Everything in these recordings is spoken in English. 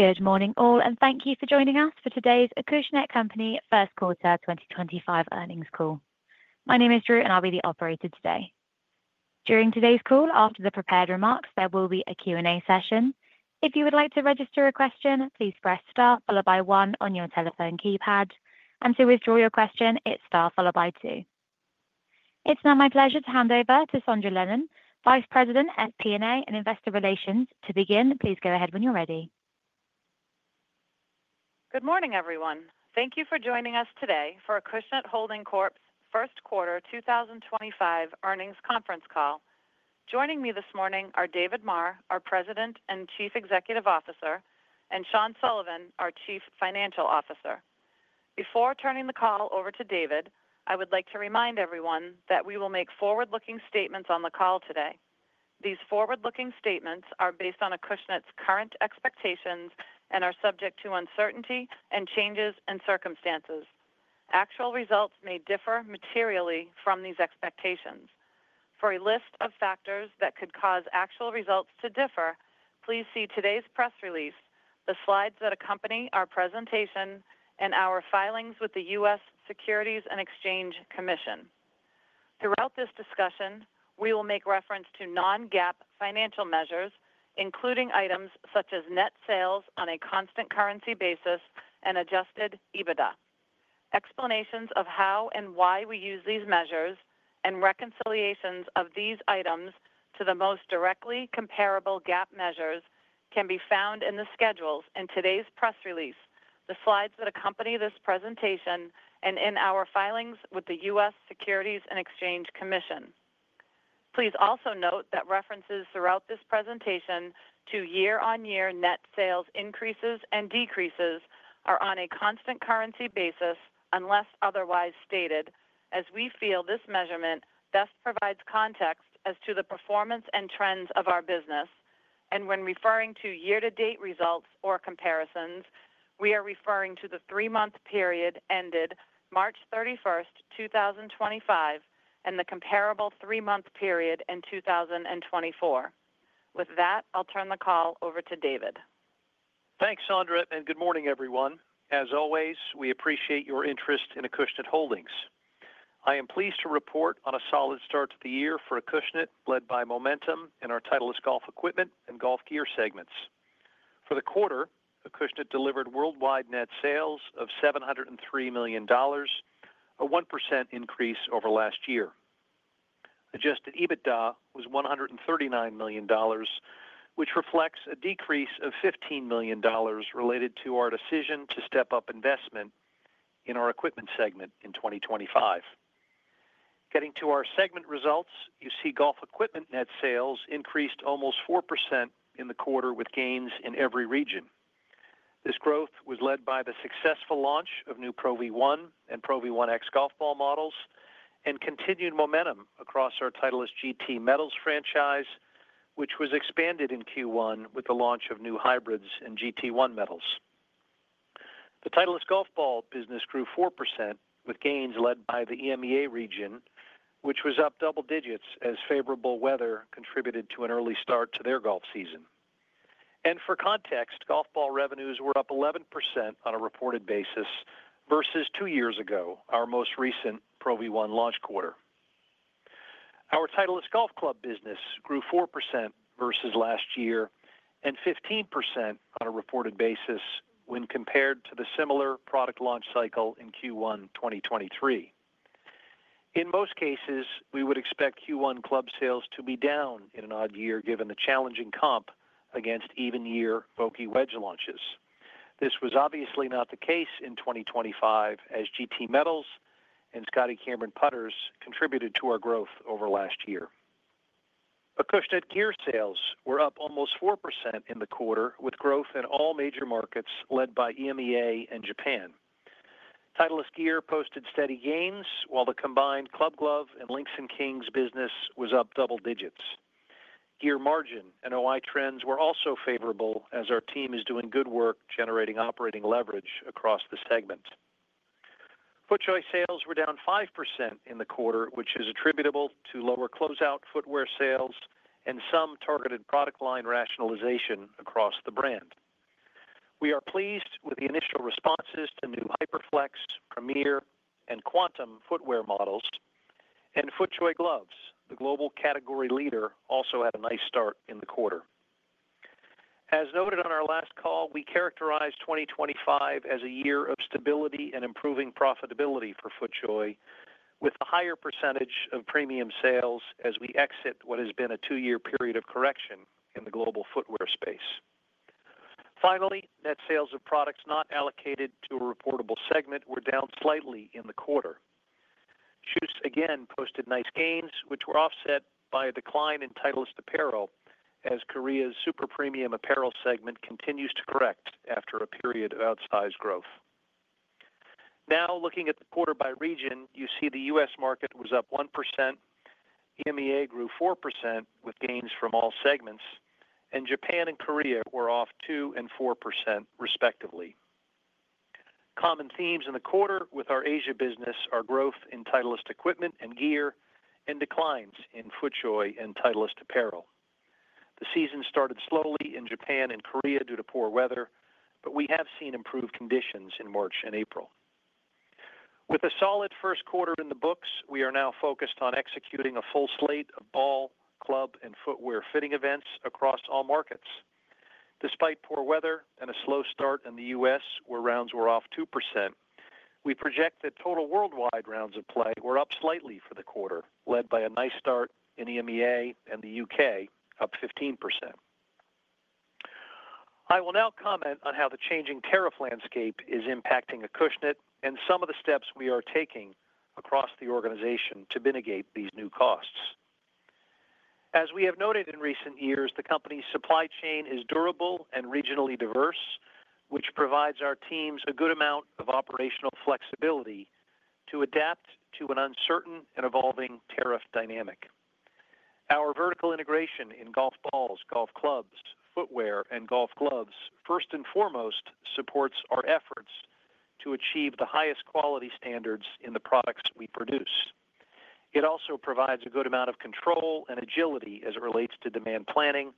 Good morning, all, and thank you for joining us for today's Acushnet Company first quarter 2025 earnings call. My name is Drew, and I'll be the operator today. During today's call, after the prepared remarks, there will be a Q&A session. If you would like to register a question, please press star followed by one on your telephone keypad, and to withdraw your question, hit star followed by two. It's now my pleasure to hand over to Sondra Lennon, Vice President, FP&A, and Investor Relations. To begin, please go ahead when you're ready. Good morning, everyone. Thank you for joining us today for Acushnet Holdings Corp.'s first quarter 2025 earnings conference call. Joining me this morning are David Maher, our President and Chief Executive Officer, and Sean Sullivan, our Chief Financial Officer. Before turning the call over to David, I would like to remind everyone that we will make forward-looking statements on the call today. These forward-looking statements are based on Acushnet's current expectations and are subject to uncertainty and changes in circumstances. Actual results may differ materially from these expectations. For a list of factors that could cause actual results to differ, please see today's press release, the slides that accompany our presentation, and our filings with the U.S. Securities and Exchange Commission. Throughout this discussion, we will make reference to non-GAAP financial measures, including items such as net sales on a constant currency basis and adjusted EBITDA. Explanations of how and why we use these measures and reconciliations of these items to the most directly comparable GAAP measures can be found in the schedules in today's press release, the slides that accompany this presentation, and in our filings with the U.S. Securities and Exchange Commission. Please also note that references throughout this presentation to year-on-year net sales increases and decreases are on a constant currency basis unless otherwise stated, as we feel this measurement best provides context as to the performance and trends of our business. When referring to year-to-date results or comparisons, we are referring to the three-month period ended March 31st, 2025, and the comparable three-month period in 2024. With that, I'll turn the call over to David. Thanks, Sondra, and good morning, everyone. As always, we appreciate your interest in Acushnet Holdings. I am pleased to report on a solid start to the year for Acushnet, led by momentum in our Titleist golf equipment and golf gear segments. For the quarter, Acushnet delivered worldwide net sales of $703 million, a 1% increase over last year. Adjusted EBITDA was $139 million, which reflects a decrease of $15 million related to our decision to step up investment in our equipment segment in 2025. Getting to our segment results, you see golf equipment net sales increased almost 4% in the quarter, with gains in every region. This growth was led by the successful launch of new Pro V1 and Pro V1x golf ball models and continued momentum across our Titleist GT Metals product franchise, which was expanded in Q1 with the launch of new hybrids and GT1 metals. The Titleist golf ball business grew 4%, with gains led by the EMEA region, which was up double digits as favorable weather contributed to an early start to their golf season. For context, golf ball revenues were up 11% on a reported basis versus two years ago, our most recent Pro V1 launch quarter. Our Titleist golf club business grew 4% versus last year and 15% on a reported basis when compared to the similar product launch cycle in Q1 2023. In most cases, we would expect Q1 club sales to be down in an odd year given the challenging comp against even-year Vokey wedge launches. This was obviously not the case in 2025, as GT Metals and Scotty Cameron Putters contributed to our growth over last year. Acushnet gear sales were up almost 4% in the quarter, with growth in all major markets led by EMEA and Japan. Titleist gear posted steady gains, while the combined Club Glove and Links and Kings business was up double digits. Gear margin and OI trends were also favorable, as our team is doing good work generating operating leverage across the segment. FootJoy sales were down 5% in the quarter, which is attributable to lower closeout footwear sales and some targeted product line rationalization across the brand. We are pleased with the initial responses to new HyperFlex, Premier, and Quantum footwear models, and FootJoy Gloves, the global category leader, also had a nice start in the quarter. As noted on our last call, we characterized 2025 as a year of stability and improving profitability for FootJoy, with a higher percentage of premium sales as we exit what has been a two-year period of correction in the global footwear space. Finally, net sales of products not allocated to a reportable segment were down slightly in the quarter. Shoes again posted nice gains, which were offset by a decline in Titleist apparel, as Korea's super premium apparel segment continues to correct after a period of outsized growth. Now, looking at the quarter by region, you see the U.S. market was up 1%, EMEA grew 4% with gains from all segments, and Japan and Korea were off 2% and 4% respectively. Common themes in the quarter with our Asia business are growth in Titleist equipment and gear and declines in FootJoy and Titleist apparel. The season started slowly in Japan and Korea due to poor weather, but we have seen improved conditions in March and April. With a solid first quarter in the books, we are now focused on executing a full slate of ball, club, and footwear fitting events across all markets. Despite poor weather and a slow start in the U.S., where rounds were off 2%, we project that total worldwide rounds of play were up slightly for the quarter, led by a nice start in EMEA and the U.K., up 15%. I will now comment on how the changing tariff landscape is impacting Acushnet and some of the steps we are taking across the organization to mitigate these new costs. As we have noted in recent years, the company's supply chain is durable and regionally diverse, which provides our teams a good amount of operational flexibility to adapt to an uncertain and evolving tariff dynamic. Our vertical integration in golf balls, golf clubs, footwear, and golf gloves first and foremost supports our efforts to achieve the highest quality standards in the products we produce. It also provides a good amount of control and agility as it relates to demand planning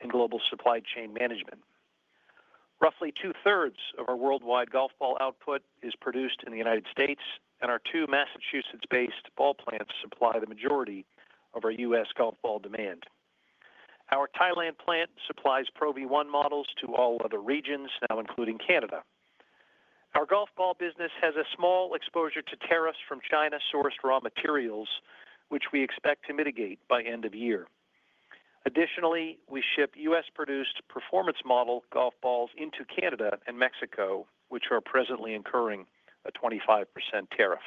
and global supply chain management. Roughly two-thirds of our worldwide golf ball output is produced in the United States, and our two Massachusetts-based ball plants supply the majority of our U.S. golf ball demand. Our Thailand plant supplies Pro V1 models to all other regions, now including Canada. Our golf ball business has a small exposure to tariffs from China-sourced raw materials, which we expect to mitigate by end of year. Additionally, we ship U.S.-produced performance model golf balls into Canada and Mexico, which are presently incurring a 25% tariff.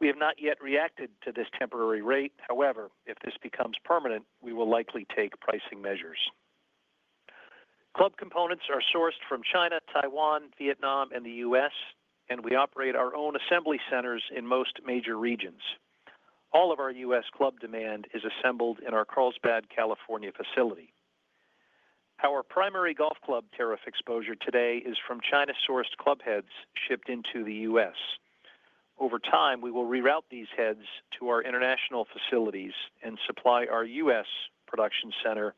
We have not yet reacted to this temporary rate. However, if this becomes permanent, we will likely take pricing measures. Club components are sourced from China, Taiwan, Vietnam, and the U.S., and we operate our own assembly centers in most major regions. All of our U.S. club demand is assembled in our Carlsbad, California facility. Our primary golf club tariff exposure today is from China-sourced club heads shipped into the U.S. Over time, we will reroute these heads to our international facilities and supply our U.S. production center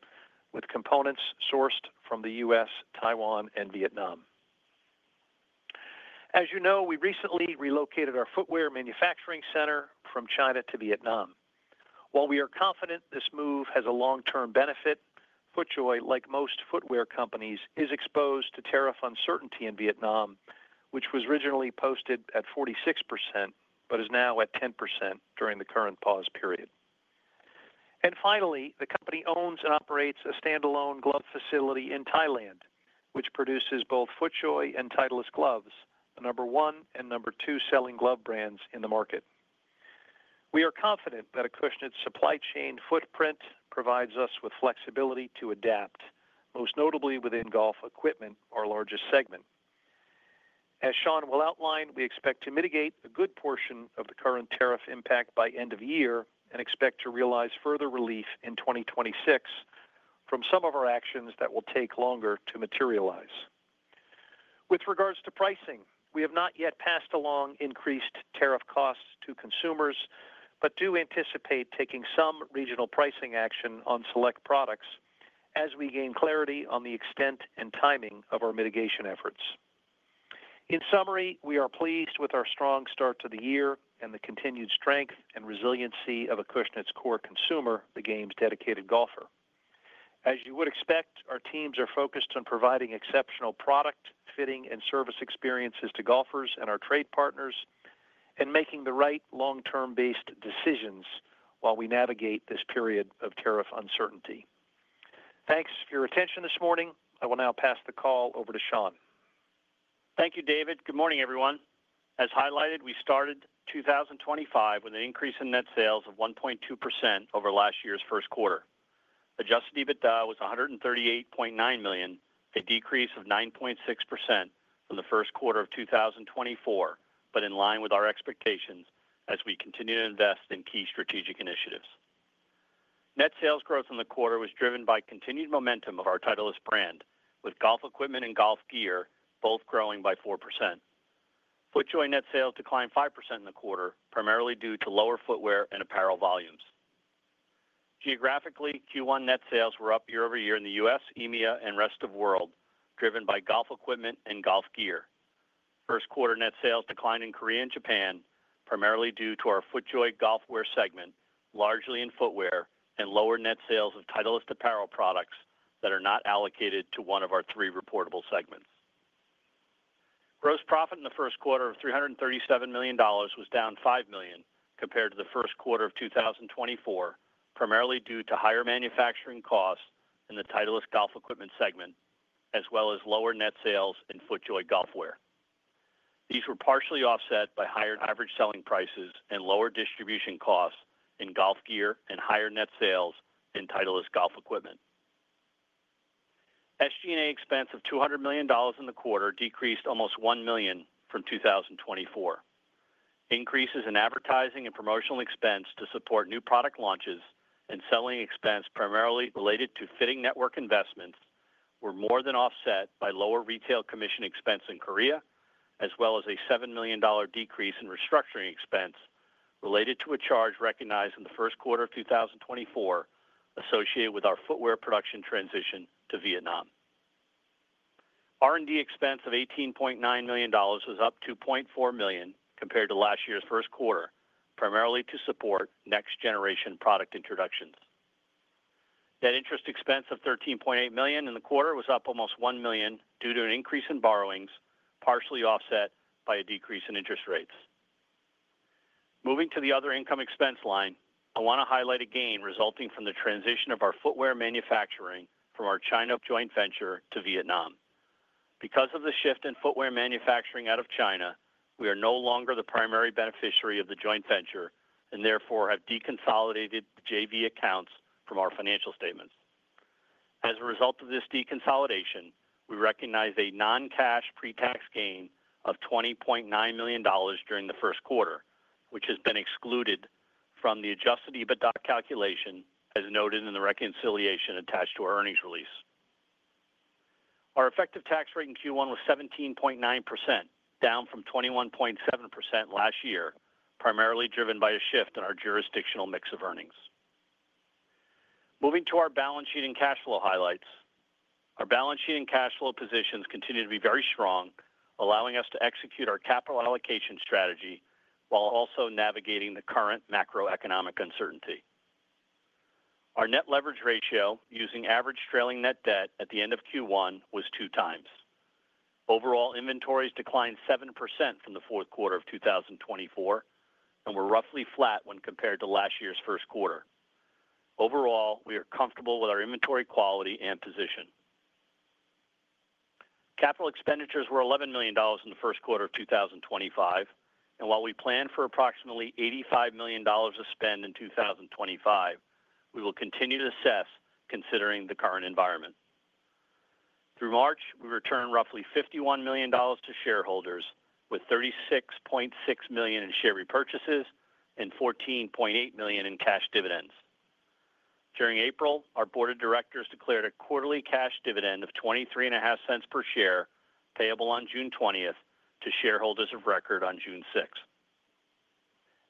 with components sourced from the U.S., Taiwan, and Vietnam. As you know, we recently relocated our footwear manufacturing center from China to Vietnam. While we are confident this move has a long-term benefit, FootJoy, like most footwear companies, is exposed to tariff uncertainty in Vietnam, which was originally posted at 46% but is now at 10% during the current pause period. The company owns and operates a standalone glove facility in Thailand, which produces both FootJoy and Titleist gloves, the number one and number two selling glove brands in the market. We are confident that Acushnet's supply chain footprint provides us with flexibility to adapt, most notably within golf equipment, our largest segment. As Sean will outline, we expect to mitigate a good portion of the current tariff impact by end of year and expect to realize further relief in 2026 from some of our actions that will take longer to materialize. With regards to pricing, we have not yet passed along increased tariff costs to consumers but do anticipate taking some regional pricing action on select products as we gain clarity on the extent and timing of our mitigation efforts. In summary, we are pleased with our strong start to the year and the continued strength and resiliency of Acushnet's core consumer, the game's dedicated golfer. As you would expect, our teams are focused on providing exceptional product, fitting, and service experiences to golfers and our trade partners and making the right long-term-based decisions while we navigate this period of tariff uncertainty. Thanks for your attention this morning. I will now pass the call over to Sean. Thank you, David. Good morning, everyone. As highlighted, we started 2025 with an increase in net sales of 1.2% over last year's first quarter. Adjusted EBITDA was $138.9 million, a decrease of 9.6% from the first quarter of 2024, but in line with our expectations as we continue to invest in key strategic initiatives. Net sales growth in the quarter was driven by continued momentum of our Titleist brand, with golf equipment and golf gear both growing by 4%. FootJoy net sales declined 5% in the quarter, primarily due to lower footwear and apparel volumes. Geographically, Q1 net sales were up year-over-year in the U.S., EMEA, and rest of the world, driven by golf equipment and golf gear. First quarter net sales declined in Korea and Japan, primarily due to our FootJoy golfwear segment, largely in footwear, and lower net sales of Titleist apparel products that are not allocated to one of our three reportable segments. Gross profit in the first quarter of $337 million was down $5 million compared to the first quarter of 2024, primarily due to higher manufacturing costs in the Titleist golf equipment segment, as well as lower net sales in FootJoy golfwear. These were partially offset by higher average selling prices and lower distribution costs in golf gear and higher net sales in Titleist golf equipment. SG&A expense of $200 million in the quarter decreased almost $1 million from 2024. Increases in advertising and promotional expense to support new product launches and selling expense primarily related to fitting network investments were more than offset by lower retail commission expense in Korea, as well as a $7 million decrease in restructuring expense related to a charge recognized in the first quarter of 2024 associated with our footwear production transition to Vietnam. R&D expense of $18.9 million was up $2.4 million compared to last year's first quarter, primarily to support next-generation product introductions. Net interest expense of $13.8 million in the quarter was up almost $1 million due to an increase in borrowings, partially offset by a decrease in interest rates. Moving to the other income expense line, I want to highlight a gain resulting from the transition of our footwear manufacturing from our China joint venture to Vietnam. Because of the shift in footwear manufacturing out of China, we are no longer the primary beneficiary of the joint venture and therefore have deconsolidated the JV accounts from our financial statements. As a result of this deconsolidation, we recognize a non-cash pre-tax gain of $20.9 million during the first quarter, which has been excluded from the adjusted EBITDA calculation as noted in the reconciliation attached to our earnings release. Our effective tax rate in Q1 was 17.9%, down from 21.7% last year, primarily driven by a shift in our jurisdictional mix of earnings. Moving to our balance sheet and cash flow highlights, our balance sheet and cash flow positions continue to be very strong, allowing us to execute our capital allocation strategy while also navigating the current macroeconomic uncertainty. Our net leverage ratio using average trailing net debt at the end of Q1 was two times. Overall, inventories declined 7% from the fourth quarter of 2024 and were roughly flat when compared to last year's first quarter. Overall, we are comfortable with our inventory quality and position. Capital expenditures were $11 million in the first quarter of 2025, and while we plan for approximately $85 million to spend in 2025, we will continue to assess considering the current environment. Through March, we returned roughly $51 million to shareholders with $36.6 million in share repurchases and $14.8 million in cash dividends. During April, our board of directors declared a quarterly cash dividend of $0.23 per share payable on June 20th to shareholders of record on June 6th.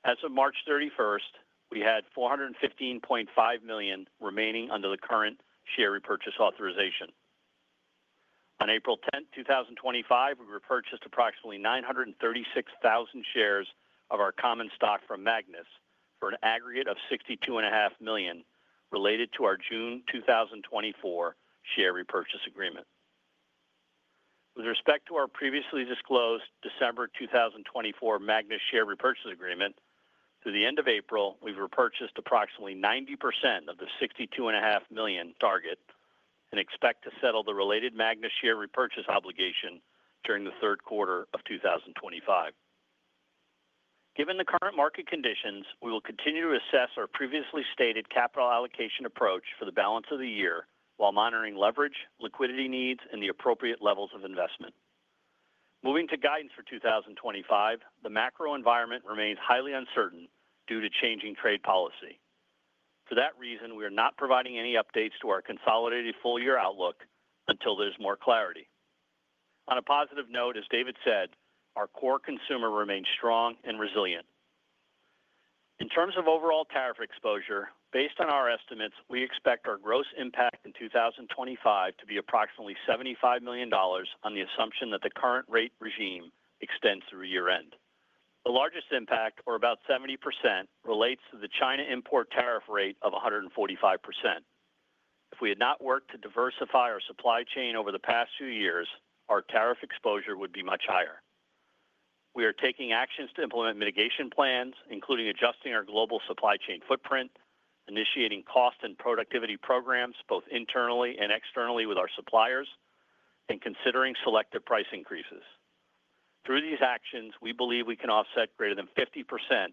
As of March 31st, we had $415.5 million remaining under the current share repurchase authorization. On April 10th, 2025, we repurchased approximately 936,000 shares of our common stock from Magnus for an aggregate of $62.5 million related to our June 2024 share repurchase agreement. With respect to our previously disclosed December 2024 Magnus share repurchase agreement, through the end of April, we've repurchased approximately 90% of the $62.5 million target and expect to settle the related Magnus share repurchase obligation during the third quarter of 2025. Given the current market conditions, we will continue to assess our previously stated capital allocation approach for the balance of the year while monitoring leverage, liquidity needs, and the appropriate levels of investment. Moving to guidance for 2025, the macro environment remains highly uncertain due to changing trade policy. For that reason, we are not providing any updates to our consolidated full-year outlook until there's more clarity. On a positive note, as David said, our core consumer remains strong and resilient. In terms of overall tariff exposure, based on our estimates, we expect our gross impact in 2025 to be approximately $75 million on the assumption that the current rate regime extends through year-end. The largest impact, or about 70%, relates to the China import tariff rate of 145%. If we had not worked to diversify our supply chain over the past few years, our tariff exposure would be much higher. We are taking actions to implement mitigation plans, including adjusting our global supply chain footprint, initiating cost and productivity programs both internally and externally with our suppliers, and considering selective price increases. Through these actions, we believe we can offset greater than 50%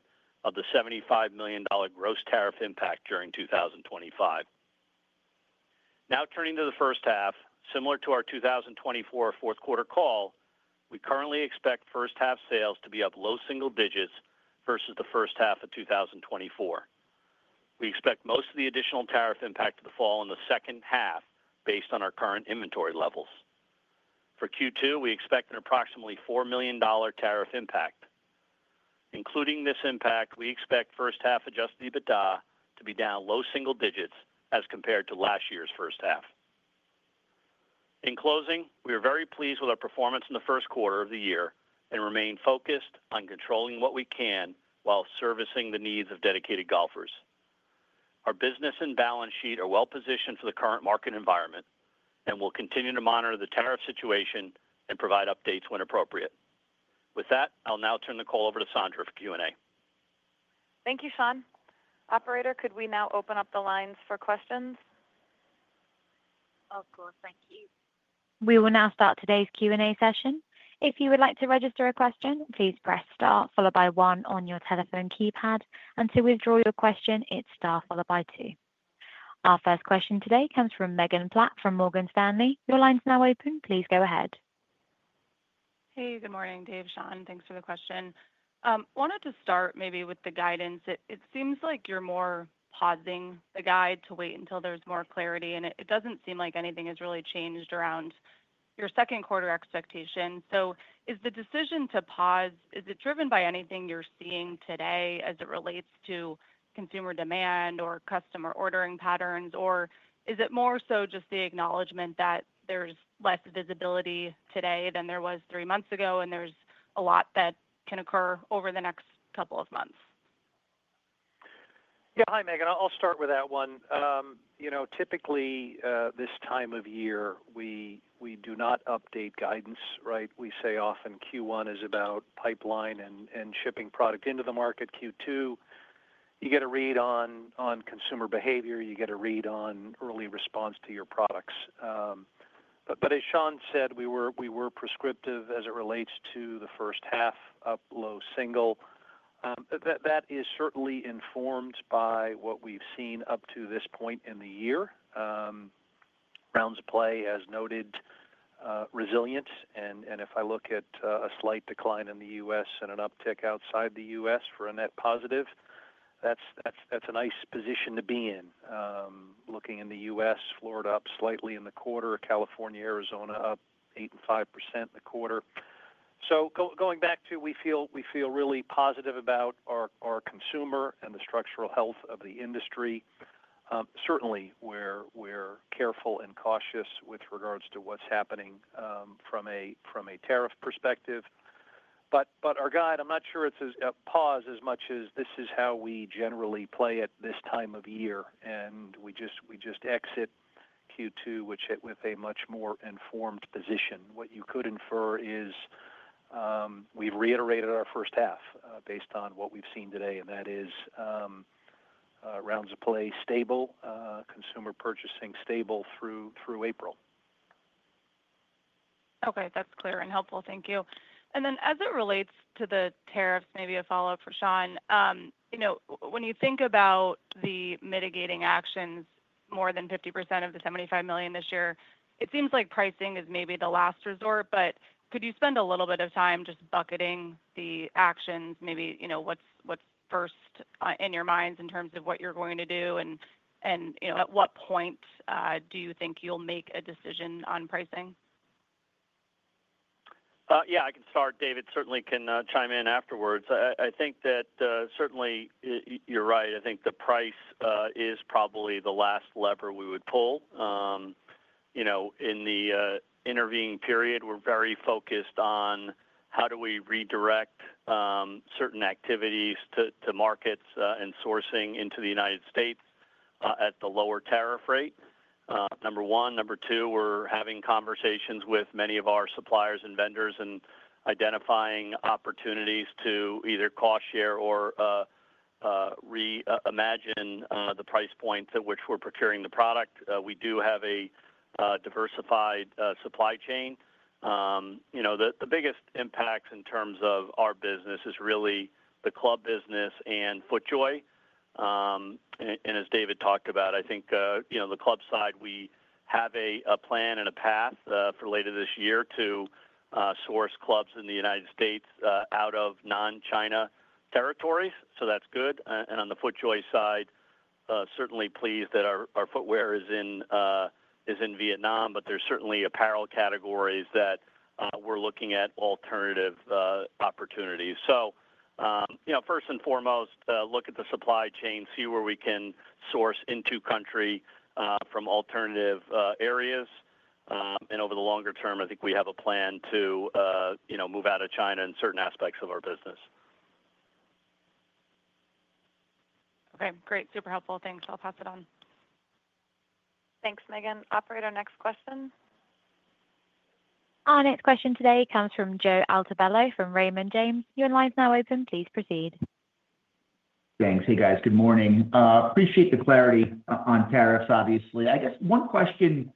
of the $75 million gross tariff impact during 2025. Now turning to the first half, similar to our 2024 fourth quarter call, we currently expect first-half sales to be up low single digits versus the first half of 2024. We expect most of the additional tariff impact to fall in the second half based on our current inventory levels. For Q2, we expect an approximately $4 million tariff impact. Including this impact, we expect first-half adjusted EBITDA to be down low single digits as compared to last year's first half. In closing, we are very pleased with our performance in the first quarter of the year and remain focused on controlling what we can while servicing the needs of dedicated golfers. Our business and balance sheet are well-positioned for the current market environment and will continue to monitor the tariff situation and provide updates when appropriate. With that, I'll now turn the call over to Sondra for Q&A. Thank you, Sean. Operator, could we now open up the lines for questions? Of course. Thank you. We will now start today's Q&A session. If you would like to register a question, please press Star followed by 1 on your telephone keypad, and to withdraw your question, hit Star followed by 2. Our first question today comes from Megan Clapp from Morgan Stanley. Your line's now open. Please go ahead. Hey, good morning, Dave, Sean. Thanks for the question. I wanted to start maybe with the guidance. It seems like you're more pausing the guide to wait until there's more clarity, and it does not seem like anything has really changed around your second quarter expectation. Is the decision to pause, is it driven by anything you're seeing today as it relates to consumer demand or customer ordering patterns, or is it more so just the acknowledgment that there's less visibility today than there was three months ago, and there's a lot that can occur over the next couple of months? Yeah, hi, Megan. I'll start with that one. Typically, this time of year, we do not update guidance, right? We say often Q1 is about pipeline and shipping product into the market. Q2, you get a read on consumer behavior. You get a read on early response to your products. As Sean said, we were prescriptive as it relates to the first half up low single. That is certainly informed by what we've seen up to this point in the year. Rounds of play, as noted, resilience. If I look at a slight decline in the U.S. and an uptick outside the U.S. for a net positive, that's a nice position to be in. Looking in the U.S., Florida up slightly in the quarter, California, Arizona up 8.5% in the quarter. Going back to, we feel really positive about our consumer and the structural health of the industry. Certainly, we're careful and cautious with regards to what's happening from a tariff perspective. Our guide, I'm not sure it's a pause as much as this is how we generally play it this time of year, and we just exit Q2 with a much more informed position. What you could infer is we've reiterated our first half based on what we've seen today, and that is rounds of play stable, consumer purchasing stable through April. Okay, that's clear and helpful. Thank you. As it relates to the tariffs, maybe a follow-up for Sean, when you think about the mitigating actions, more than 50% of the $75 million this year, it seems like pricing is maybe the last resort. Could you spend a little bit of time just bucketing the actions, maybe what's first in your minds in terms of what you're going to do, and at what point do you think you'll make a decision on pricing? Yeah, I can start. David certainly can chime in afterwards. I think that certainly you're right. I think the price is probably the last lever we would pull. In the intervening period, we're very focused on how do we redirect certain activities to markets and sourcing into the United States at the lower tariff rate, number one. Number two, we're having conversations with many of our suppliers and vendors and identifying opportunities to either cost share or reimagine the price points at which we're procuring the product. We do have a diversified supply chain. The biggest impacts in terms of our business is really the club business and FootJoy. And as David talked about, I think the club side, we have a plan and a path for later this year to source clubs in the United States out of non-China territories. So that's good. On the FootJoy side, certainly pleased that our footwear is in Vietnam, but there are certainly apparel categories that we are looking at alternative opportunities. First and foremost, look at the supply chain, see where we can source into country from alternative areas. Over the longer term, I think we have a plan to move out of China in certain aspects of our business. Okay, great. Super helpful. Thanks. I'll pass it on. Thanks, Megan. Operator, next question. Our next question today comes from Joe Altobello from Raymond James. Your line's now open. Please proceed. Thanks. Hey, guys. Good morning. Appreciate the clarity on tariffs, obviously. I guess one question,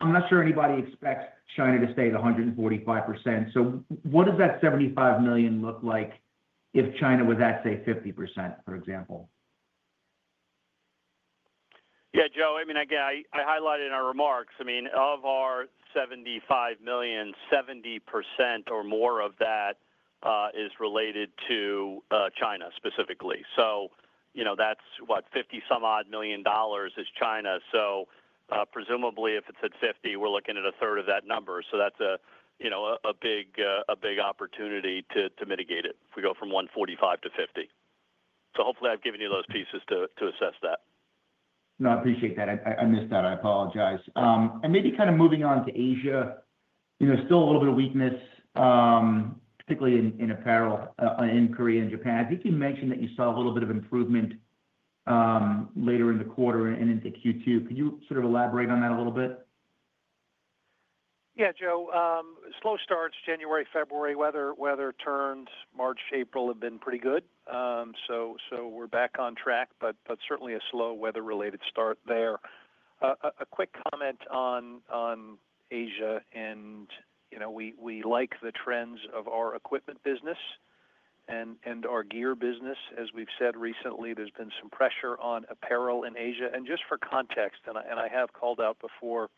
I'm not sure anybody expects China to stay at 145%. So what does that $75 million look like if China was at, say, 50%, for example? Yeah, Joe, I mean, again, I highlighted in our remarks, I mean, of our $75 million, 70% or more of that is related to China specifically. That is, what, $50-some-odd million is China. Presumably, if it is at $50 million, we are looking at a third of that number. That is a big opportunity to mitigate it if we go from $145 million to $50 million. Hopefully, I have given you those pieces to assess that. No, I appreciate that. I missed that. I apologize. Maybe kind of moving on to Asia, still a little bit of weakness, particularly in apparel in Korea and Japan. I think you mentioned that you saw a little bit of improvement later in the quarter and into Q2. Could you sort of elaborate on that a little bit? Yeah, Joe. Slow starts, January, February, weather turns. March, April have been pretty good. We are back on track, but certainly a slow weather-related start there. A quick comment on Asia, and we like the trends of our equipment business and our gear business. As we have said recently, there has been some pressure on apparel in Asia. Just for context, and I have called out before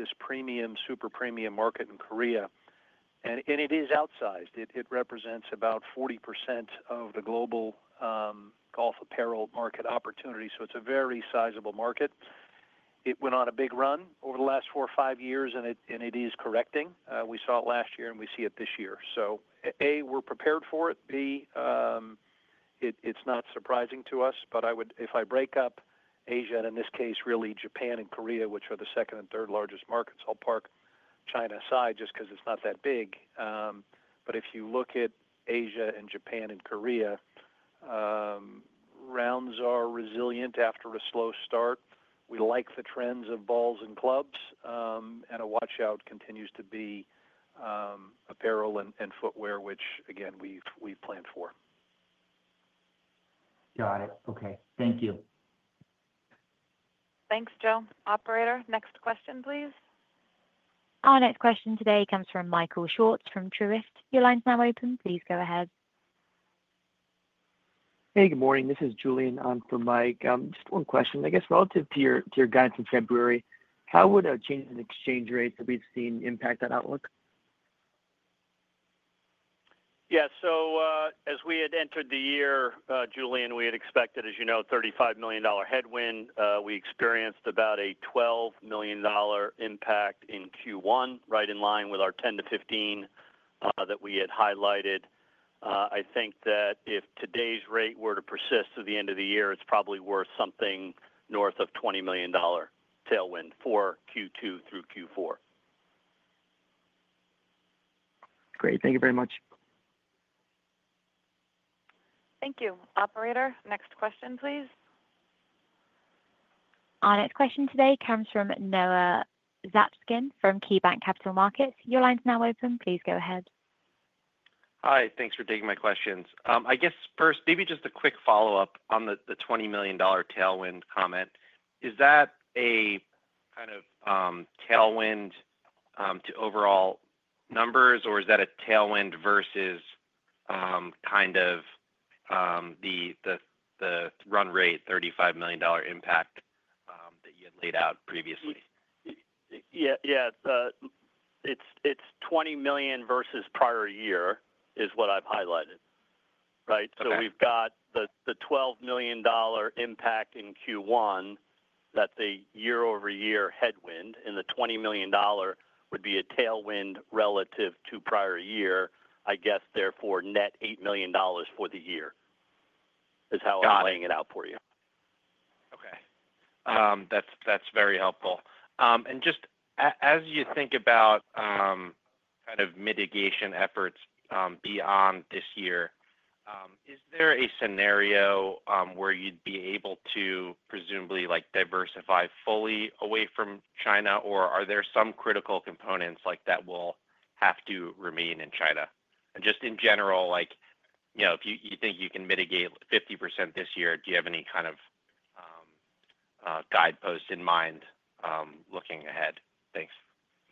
this premium, super premium market in Korea, and it is outsized. It represents about 40% of the global golf apparel market opportunity. It is a very sizable market. It went on a big run over the last four or five years, and it is correcting. We saw it last year, and we see it this year. A, we are prepared for it. B, it is not surprising to us. If I break up Asia, and in this case, really Japan and Korea, which are the second and third largest markets, I will park China aside just because it is not that big. If you look at Asia and Japan and Korea, rounds are resilient after a slow start. We like the trends of balls and clubs, and a watch-out continues to be apparel and footwear, which, again, we have planned for. Got it. Okay. Thank you. Thanks, Joe. Operator, next question, please. Our next question today comes from Michael Swartz from Truist. Your line's now open. Please go ahead. Hey, good morning. This is Julian. I'm from Mike. Just one question. I guess relative to your guidance in February, how would a change in exchange rates have you seen impact that outlook? Yeah. As we had entered the year, Julian, we had expected, as you know, a $35 million headwind. We experienced about a $12 million impact in Q1, right in line with our 10-15 that we had highlighted. I think that if today's rate were to persist through the end of the year, it's probably worth something north of $20 million tailwind for Q2-Q4. Great. Thank you very much. Thank you. Operator, next question, please. Our next question today comes from Noah Zatzkin from KeyBanc Capital Markets. Your line's now open. Please go ahead. Hi. Thanks for taking my questions. I guess first, maybe just a quick follow-up on the $20 million tailwind comment. Is that a kind of tailwind to overall numbers, or is that a tailwind versus kind of the run rate, $35 million impact that you had laid out previously? Yeah, yeah. It's $20 million versus prior year is what I've highlighted, right? We've got the $12 million impact in Q1 that's a year-over-year headwind, and the $20 million would be a tailwind relative to prior year. I guess, therefore, net $8 million for the year is how I'm laying it out for you. Okay. That's very helpful. Just as you think about kind of mitigation efforts beyond this year, is there a scenario where you'd be able to presumably diversify fully away from China, or are there some critical components that will have to remain in China? In general, if you think you can mitigate 50% this year, do you have any kind of guidepost in mind looking ahead? Thanks.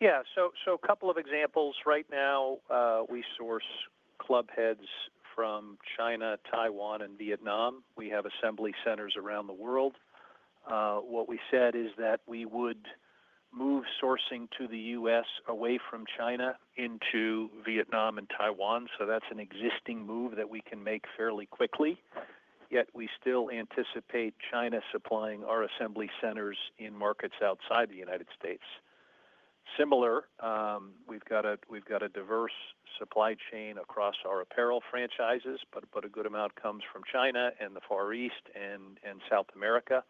Yeah. So a couple of examples. Right now, we source clubheads from China, Taiwan, and Vietnam. We have assembly centers around the world. What we said is that we would move sourcing to the U.S. away from China into Vietnam and Taiwan. That's an existing move that we can make fairly quickly, yet we still anticipate China supplying our assembly centers in markets outside the U.S. Similar, we've got a diverse supply chain across our apparel franchises, but a good amount comes from China and the Far East and South America.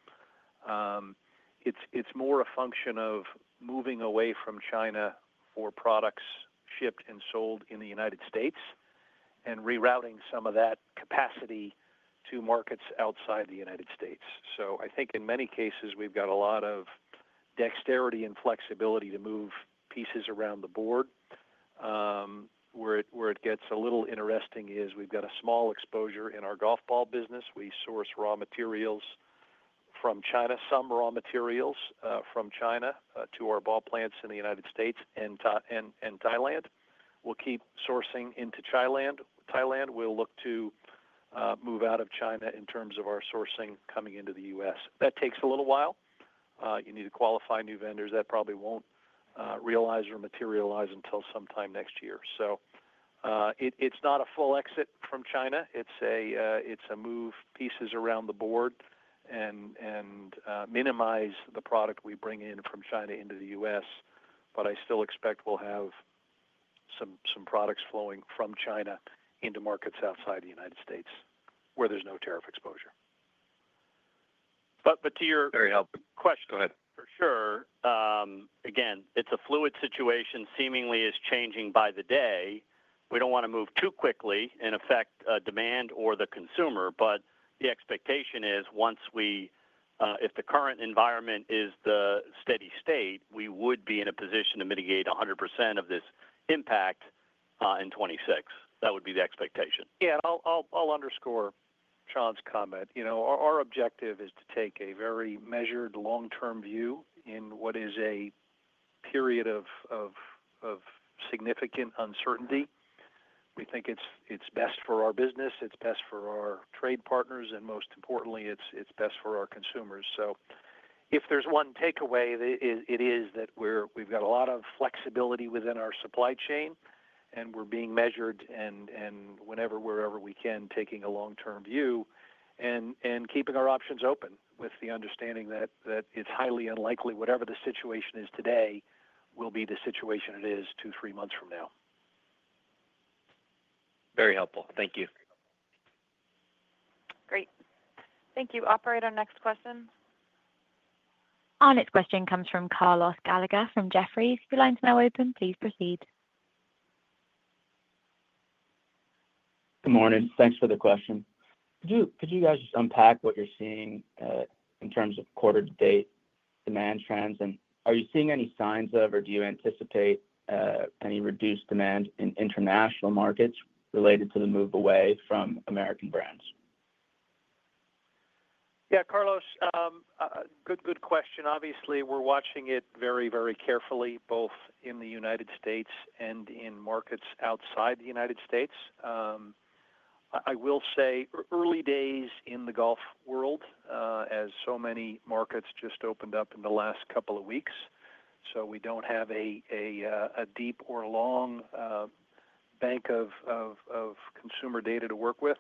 It's more a function of moving away from China for products shipped and sold in the U.S. and rerouting some of that capacity to markets outside the U.S. I think in many cases, we've got a lot of dexterity and flexibility to move pieces around the board. Where it gets a little interesting is we've got a small exposure in our golf ball business. We source raw materials from China, some raw materials from China to our ball plants in the United States and Thailand. We'll keep sourcing into Thailand. We'll look to move out of China in terms of our sourcing coming into the U.S. That takes a little while. You need to qualify new vendors. That probably won't realize or materialize until sometime next year. It is not a full exit from China. It is a move pieces around the board and minimize the product we bring in from China into the U.S., but I still expect we'll have some products flowing from China into markets outside the United States where there's no tariff exposure. But to your. Very helpful. Question. Go ahead. For sure. Again, it's a fluid situation. Seemingly, it's changing by the day. We don't want to move too quickly and affect demand or the consumer, but the expectation is once we, if the current environment is the steady state, we would be in a position to mitigate 100% of this impact in 2026. That would be the expectation. Yeah, and I'll underscore Sean's comment. Our objective is to take a very measured long-term view in what is a period of significant uncertainty. We think it's best for our business. It's best for our trade partners, and most importantly, it's best for our consumers. If there's one takeaway, it is that we've got a lot of flexibility within our supply chain, and we're being measured and whenever, wherever we can, taking a long-term view and keeping our options open with the understanding that it's highly unlikely whatever the situation is today will be the situation it is two, three months from now. Very helpful. Thank you. Great. Thank you. Operator, next question. Our next question comes from Carlos Gallagher from Jefferies. Your line's now open. Please proceed. Good morning. Thanks for the question. Could you guys just unpack what you're seeing in terms of quarter-to-date demand trends? Are you seeing any signs of, or do you anticipate any reduced demand in international markets related to the move away from American brands? Yeah, Carlos, good question. Obviously, we're watching it very, very carefully both in the United States and in markets outside the United States. I will say early days in the golf world, as so many markets just opened up in the last couple of weeks, so we don't have a deep or long bank of consumer data to work with.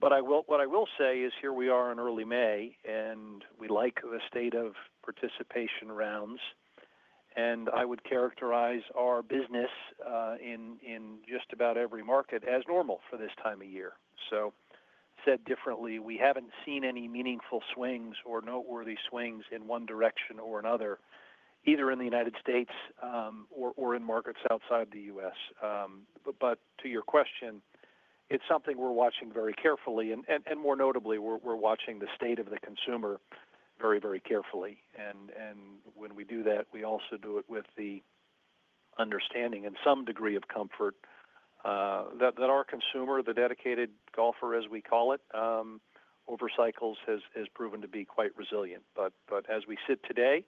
What I will say is here we are in early May, and we like the state of participation rounds. I would characterize our business in just about every market as normal for this time of year. Said differently, we haven't seen any meaningful swings or noteworthy swings in one direction or another, either in the United States or in markets outside the U.S. To your question, it's something we're watching very carefully. More notably, we're watching the state of the consumer very, very carefully. When we do that, we also do it with the understanding and some degree of comfort that our consumer, the dedicated golfer, as we call it, over cycles has proven to be quite resilient. As we sit today,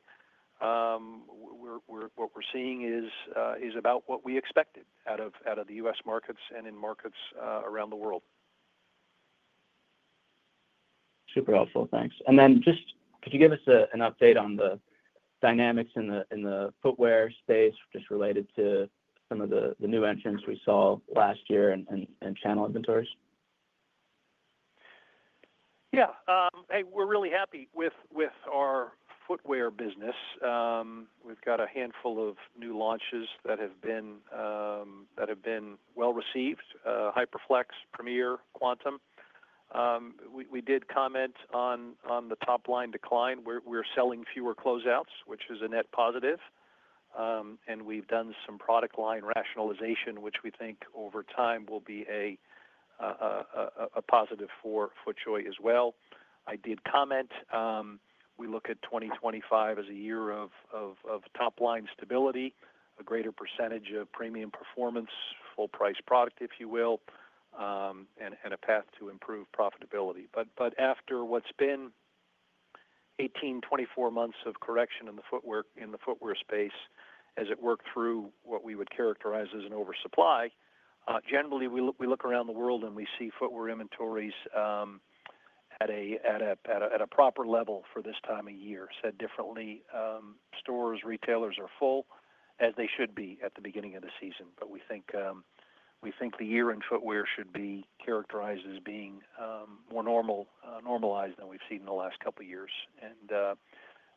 what we're seeing is about what we expected out of the U.S. markets and in markets around the world. Super helpful. Thanks. Could you give us an update on the dynamics in the footwear space just related to some of the new entrants we saw last year and channel inventories? Yeah. Hey, we're really happy with our footwear business. We've got a handful of new launches that have been well-received: HyperFlex, Premier, Quantum. We did comment on the top-line decline. We're selling fewer closeouts, which is a net positive. We've done some product line rationalization, which we think over time will be a positive for FootJoy as well. I did comment we look at 2025 as a year of top-line stability, a greater percentage of premium performance, full-price product, if you will, and a path to improve profitability. After what's been 18-24 months of correction in the footwear space as it worked through what we would characterize as an oversupply, generally, we look around the world and we see footwear inventories at a proper level for this time of year. Said differently, stores, retailers are full as they should be at the beginning of the season. We think the year in footwear should be characterized as being more normalized than we've seen in the last couple of years.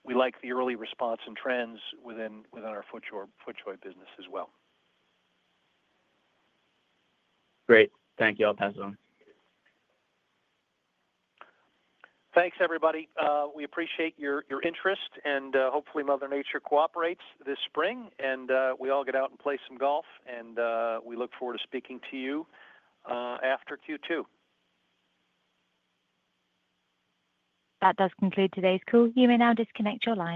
We like the early response and trends within our FootJoy business as well. Great. Thank you. I'll pass it on. Thanks, everybody. We appreciate your interest, and hopefully, Mother Nature cooperates this spring, and we all get out and play some golf. We look forward to speaking to you after Q2. That does conclude today's call. You may now disconnect your line.